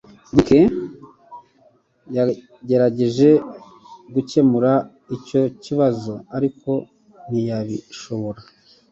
Dick yagerageje gukemura icyo kibazo ariko ntiyabishobora